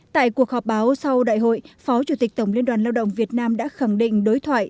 tại cuộc họp báo sau đại hội phó chủ tịch tổng liên đoàn lao động việt nam đã khẳng định đối thoại